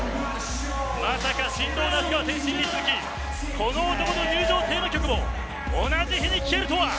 まさか神童・那須川天心に続きこの男の入場テーマ曲を同じ日に聴けるとは。